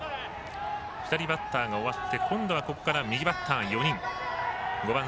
左バッターが終わって今度は、ここから右バッター４人。